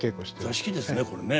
座敷ですねこれね。